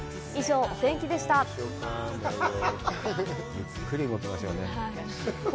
ゆっくり動きますよね。